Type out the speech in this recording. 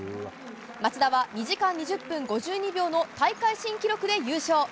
松田は、２時間２０分５２秒の大会新記録で優勝。